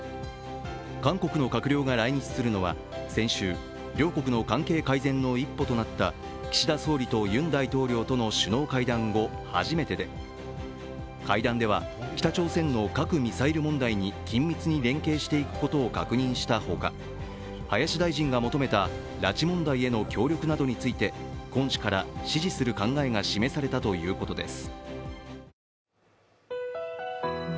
韓国の閣僚が来日するのは先週、両国の関係改善の一歩となった岸田総理とユン大統領との首脳会談後、初めてで会談では、北朝鮮の核・ミサイル問題に緊密に連携していくことを確認したほか林大臣が求めた拉致問題への協力ｊなどについてクォン氏から支持する考えが示されたということです。